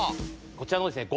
こちらのですね